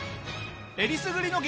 えりすぐりの激